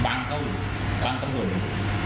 บังเขาอยู่บังกำรวจอยู่